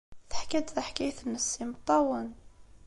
Teḥka-d taḥkayt-nnes s yimeṭṭawen.